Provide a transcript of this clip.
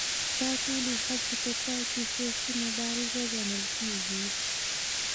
دا ټولې هڅې په پای کې سیاسي مبارزه ګڼل کېږي